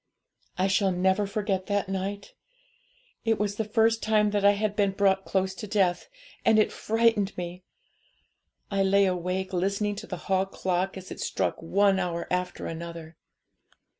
'I shall never forget that night. It was the first time that I had been brought close to death, and it frightened me. I lay awake, listening to the hall clock as it struck one hour after another.